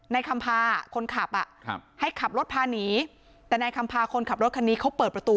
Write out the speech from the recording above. คำพาคนขับอ่ะครับให้ขับรถพาหนีแต่นายคำพาคนขับรถคันนี้เขาเปิดประตู